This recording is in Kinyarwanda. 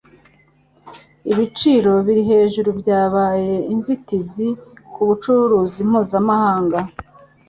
Ibiciro biri hejuru byabaye inzitizi ku bucuruzi mpuzamahanga